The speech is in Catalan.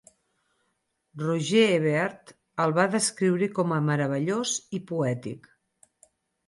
Roger Ebert el va descriure com a "meravellós" i "poètic".